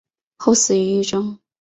后死于狱中。